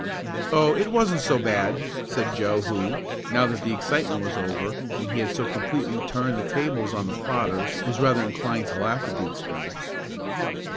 "Oh, it wasn't so bad," said Joe who, now that the excitement was over, and he had so completely turned the tables on the plotters, was rather inclined to laugh at the experience.